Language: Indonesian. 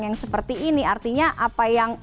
yang seperti ini artinya apa yang